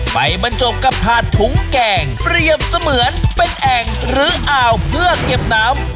บรรจบกับถาดถุงแกงเปรียบเสมือนเป็นแอ่งหรืออ่าวเพื่อเก็บน้ำ